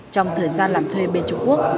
trong thời gian làm thuê bên trung quốc